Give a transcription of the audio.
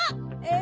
え！